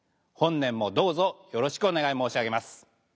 本年もどうぞよろしくお願い申し上げます。